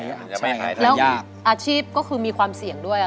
ใช่มันจะไม่หายทางยากแล้วอาชีพก็คือมีความเสี่ยงด้วยอะ